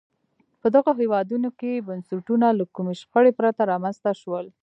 په دغو هېوادونو کې بنسټونه له کومې شخړې پرته رامنځته شول.